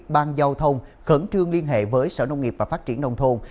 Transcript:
ban giao thông khẩn trương liên hệ với sở nông nghiệp và phát triển nông thôn